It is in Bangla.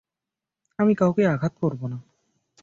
আমি কাউকেই আঘাত করব না।